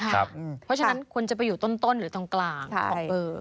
เพราะฉะนั้นควรจะไปอยู่ต้นหรือตรงกลางของเบอร์